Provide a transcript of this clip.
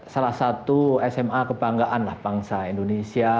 salah satu sma kebanggaan lah bangsa indonesia